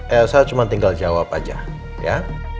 elsa cuma tinggal jawab aja ya